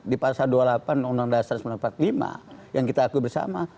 di pasal dua puluh delapan undang undang dasar seribu sembilan ratus empat puluh lima yang kita akui bersama